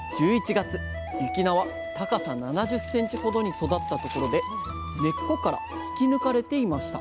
月雪菜は高さ７０センチほどに育ったところで根っこから引き抜かれていました